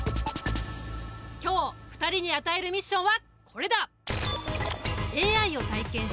今日２人に与えるミッションはこれだ！